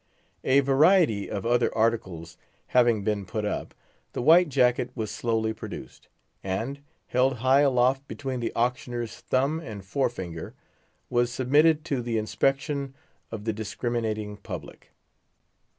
A variety of other articles having been put up, the white jacket was slowly produced, and, held high aloft between the auctioneer's thumb and fore finger, was submitted to the inspection of the discriminating public.